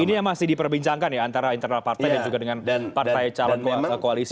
ini yang masih diperbincangkan ya antara internal partai dan juga dengan partai calon koalisi